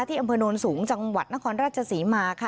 ที่อำเภนวณสูงจังหวัดนครราชสีมาค่ะ